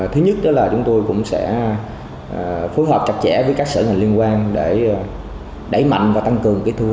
thứ nhất là chúng tôi cũng sẽ phối hợp chặt chẽ với các sở hành liên quan để đẩy mạnh và tăng cường